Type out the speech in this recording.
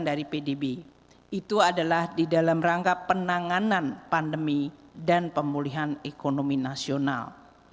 dari pdb itu adalah di dalam rangka penanganan pandemi dan pemulihan ekonomi nasional